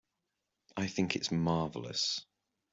I think it's marvelous.